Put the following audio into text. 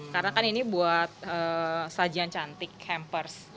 karena kan ini buat sajian cantik hampers